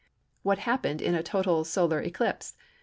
What happened in a total solar eclipse?